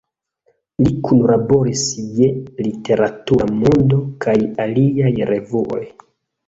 Li Kunlaboris je "Literatura Mondo" kaj aliaj revuoj.